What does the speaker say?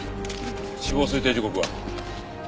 死亡推定時刻は？